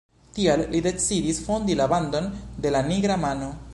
Tial li decidis fondi la bandon de la nigra mano.